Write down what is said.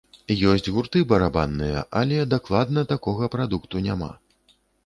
Ёсць гурты барабанныя, але дакладна такога прадукту няма.